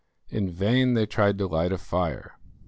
In vain they tried to light a fire.